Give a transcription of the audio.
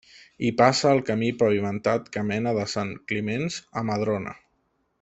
Hi passa el camí pavimentat que mena de Sant Climenç a Madrona.